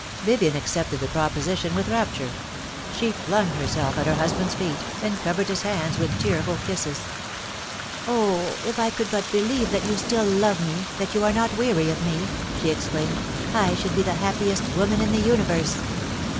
Vivien accepted the proposition with rapture ; she flung herself at her husband's feet, and covered his hands with tearful kisses. " O, if I could but believe that you still love me, that you are not weary of me," she exclaimed, " I should be the happiest woman in the universe."